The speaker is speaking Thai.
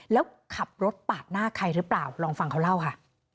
แล้วขับรถปาดหน้าใครหรือเปล่าลองฟังเขาเล่าค่ะ